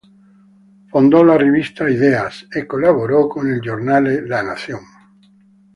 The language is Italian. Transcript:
Fondò la rivista "Ideas" e collaborò con il giornale "La Nación".